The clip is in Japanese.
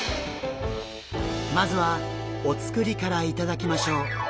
まずはお造りからいただきましょう。